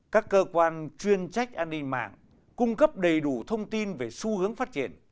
các cơ quan chuyên trách an ninh mạng cung cấp đầy đủ thông tin về xu hướng phát triển